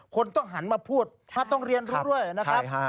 คนต้องหันมาพูดถ้าต้องเรียนรู้ด้วยนะครับ